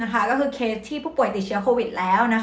ก็คือเคสที่ผู้ป่วยติดเชื้อโควิดแล้ว